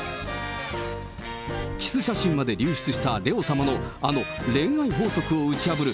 キス写真まで流出したレオ様のあの恋愛法則を打ち破る